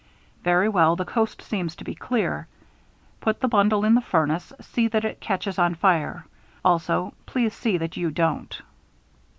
"Very well, the coast seems to be clear. Put the bundle in the furnace, see that it catches on fire. Also, please see that you don't."